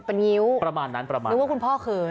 เป็นงิ้วประมาณนั้นประมาณนึกว่าคุณพ่อเคย